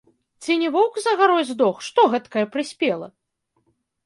Ці не воўк за гарой здох, што гэткае прыспела?